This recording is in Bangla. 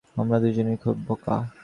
আমরা দুজনেই খুব বোকা।